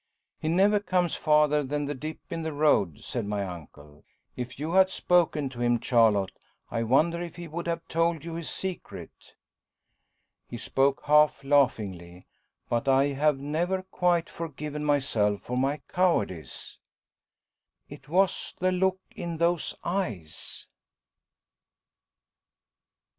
"He never comes farther than the dip in the road," said my uncle. "If you had spoken to him, Charlotte, I wonder if he would have told you his secret?" He spoke half laughingly, but I have never quite forgiven myself for my cowardice. It was the look in those eyes!